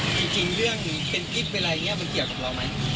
จริงจริงเรื่องเป็นคลิปอะไรอย่างเงี้ยมันเกี่ยวกับเราไหม